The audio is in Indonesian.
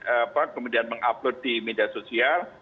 apa kemudian mengupload di media sosial